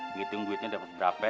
ngitung duitnya dapat berapa